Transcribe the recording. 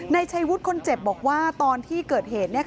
นายชัยวุฒิคนเจ็บบอกว่าตอนที่เกิดเหตุ